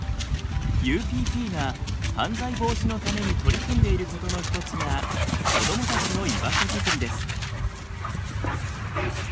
ＵＰＰが犯罪防止のために取り組んでいることの一つが子どもたちの居場所作りです。